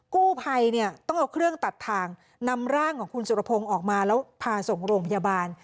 กู้ภัยเนี่ยต้องเอาเครื่องตัดทางนำร่างของคุณสุรพงศ์ออกมาแล้วพาส่งโรงพยาบาล